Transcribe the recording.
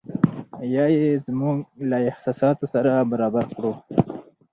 یا یې زموږ له احساساتو سره برابر کړو.